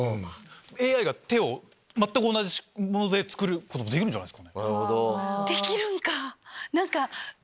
ＡＩが手を全く同じもので作ることもできるんじゃない？